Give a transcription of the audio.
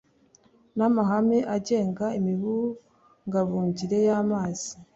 n’amahame agenga imibungabungire y’amazi